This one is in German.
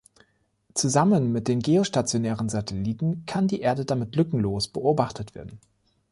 Zusammen mit den geostationären Satelliten kann die Erde damit lückenlos beobachtet werden.